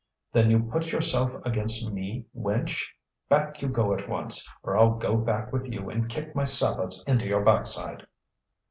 "Then you put yourself against me, wench? Back you go at once, or I'll go back with you and kick my sabots into your backside."